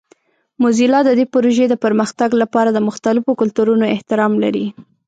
موزیلا د دې پروژې د پرمختګ لپاره د مختلفو کلتورونو احترام لري.